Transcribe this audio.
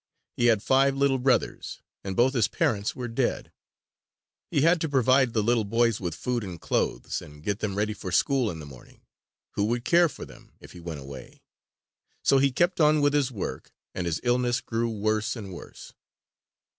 He had five little brothers, and both his parents were dead. He had to provide the little boys with food and clothes, and get them ready for school in the morning. Who would care for them, if he went away? So he kept on with his work and his illness grew worse and worse.